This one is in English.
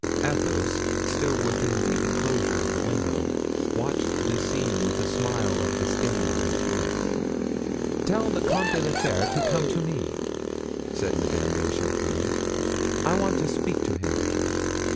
Athos, still within the inclosure of the window, watched this scene with a smile of disdain on his lips. "Tell the Comte de la Fere to come to me," said Madame de Chevreuse, "I want to speak to him."